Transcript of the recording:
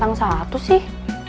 emang salah satu sih